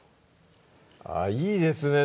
あっいいですね